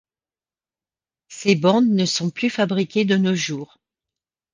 Ces bandes ne sont plus fabriquées de nos jours...